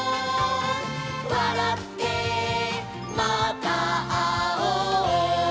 「わらってまたあおう」